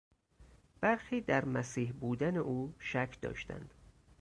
برخی در مسیح بودن او شک داشتند.